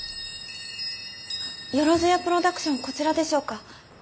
よろずやプロダクションこちらでしょうか？